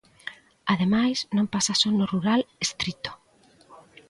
Ademais, non pasa só no rural estrito.